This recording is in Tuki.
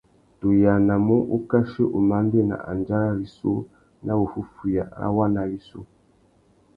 Tu yānamú ukachi umandēna andjara rissú nà wuffúffüiya râ waná wissú.